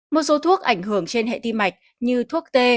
một số thuốc ảnh hưởng trên hệ tim mạch như thuốc tê